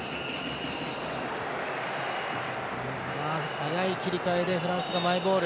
早い切り替えでフランスがマイボール。